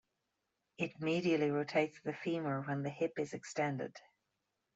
It medially rotates the femur when the hip is extended.